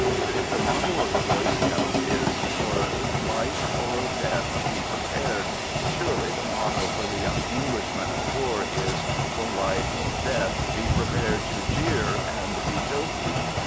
If the motto of the Boy Scouts is " for life or death Be Prepared," surely the motto for the young Englishman at war is "for life or 144 "THE GOOD SOLDIER" death be prepared to jeer and be jokey."